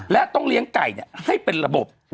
และต้องเลี้ยงไก่ให้เป็นระบบ